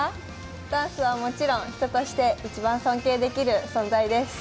ダンスはもちろん、人として一番尊敬できる存在です。